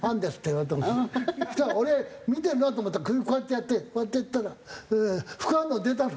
そしたら俺見てるなと思ったら首こうやってやってこうやってやったら「副反応出たの？」